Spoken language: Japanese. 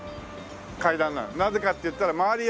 なぜかっていったら周り